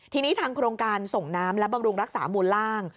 ทีนี้ทางโครงการส่งน้ำและบำรุงรักษามูลล่าง